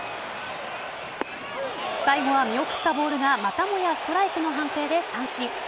最後は見送ったボールがまたもやストライクの判定で三振。